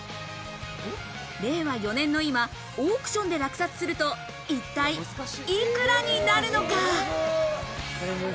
令和４年の今、オークションで落札すると、一体幾らになるのか。